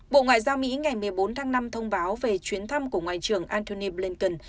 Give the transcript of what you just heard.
bộ ngoại giao mỹ ngày một mươi bốn tháng năm thông báo về chuyến thăm của ngoại trưởng anthony blinken